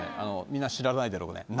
みんな知らないだろうけど。